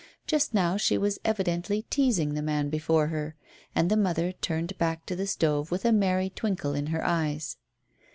Just now she was evidently teasing the man before her, and the mother turned back to the stove with a merry twinkle in her eyes.